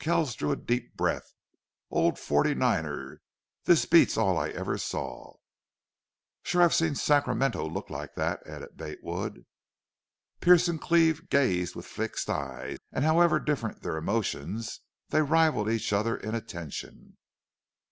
Kells drew a deep breath. "Old forty niner, this beats all I ever saw!" "Shore I've seen Sacramento look like thet!" added Bate Wood. Pearce and Cleve gazed with fixed eyes, and, however different their emotions, they rivaled each other in attention.